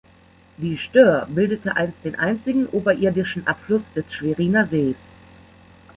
Die Stör bildete einst den einzigen oberirdischen Abfluss des Schweriner Sees.